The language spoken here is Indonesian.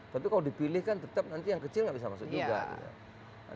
tapi kalau dipilih kan tetap nanti yang kecil nggak bisa masuk juga